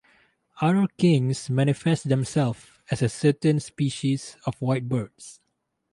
Other kings manifest themselves as a certain species of white birds.